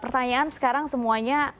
pertanyaan sekarang semuanya